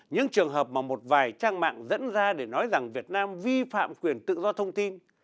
những trường hợp mà một vài trang mạng dẫn ra để nói rằng việt nam vi phạm quyền tự do thông tin